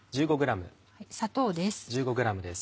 砂糖です。